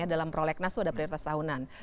dalam prolegnas itu ada prioritas tahunan